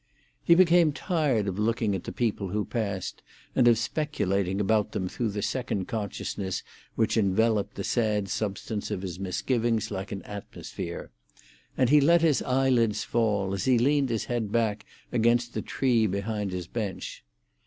He became tired of looking at the people who passed, and of speculating about them through the second consciousness which enveloped the sad substance of his misgivings like an atmosphere; and he let his eyelids fall, as he leaned his head back against the tree behind his bench.